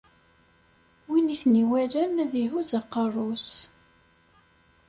Win i ten-iwalan, ad ihuzz aqerru-s.